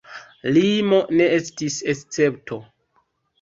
Limo ne estis escepto.